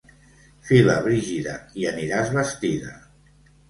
Fila, Brígida, i aniràs vestida.